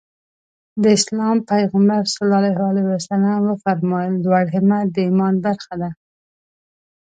د اسلام پيغمبر ص وفرمايل لوړ همت د ايمان برخه ده.